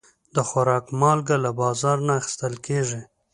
د خوراک مالګه له بازار نه اخیستل کېږي.